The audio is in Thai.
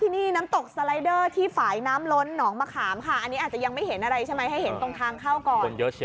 นี่น้ำตกสไลเดอร์ที่ฝ่ายน้ำล้นหนองมะขามค่ะอันนี้อาจจะยังไม่เห็นอะไรใช่ไหมให้เห็นตรงทางเข้าก่อน